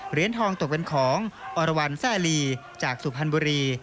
เหรียญทองตกเป็นของอรวรรณแซ่ลีจากสุพรรณบุรี